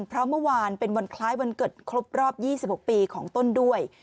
เพราะเมื่อวานเป็นวันคล้ายวันเกิดครบรอบ๒๖ปีของต้นด้วย